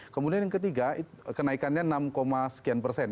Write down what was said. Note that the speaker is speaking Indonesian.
kemudian yang ketiga kenaikannya enam sekian persen